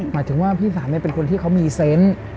หมายถึงว่าพี่สาวเป็นคนที่เขามีเซนต์